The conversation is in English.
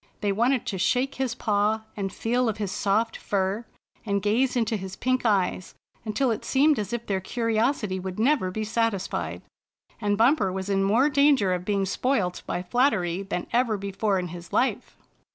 They wanted to shake his paw and feel of his soft fur, and gaze into his pink eyes, until it seemed as if their curiosity would never be satisfied. And Bumper was in more danger of being spoilt by flattery than ever before in his life!